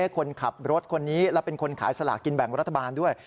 คนขับรถคนนี้และเป็นคนขายสลากินแบ่งรัฐบาลด้วย